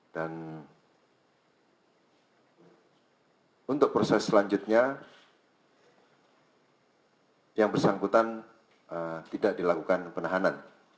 dan untuk proses selanjutnya yang bersangkutan tidak dilakukan penahanan